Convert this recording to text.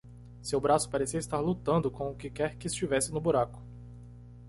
Seu braço parecia estar lutando com o que quer que estivesse no buraco.